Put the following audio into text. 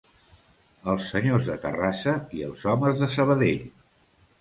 Els senyors de Terrassa i els homes de Sabadell.